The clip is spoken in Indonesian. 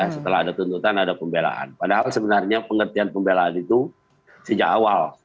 setelah ada tuntutan ada pembelaan padahal sebenarnya pengertian pembelaan itu sejak awal